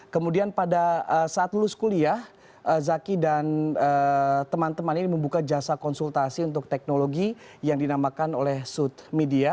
kemudian pada saat lulus kuliah zaki dan teman teman ini membuka jasa konsultasi untuk teknologi yang dinamakan oleh sud media